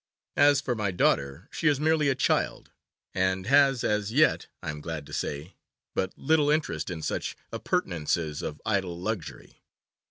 As for my daughter, she is merely a child, and has as yet, I am glad to say, but little interest in such appurtenances of idle luxury.